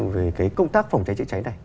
về cái công tác phòng cháy chữa cháy này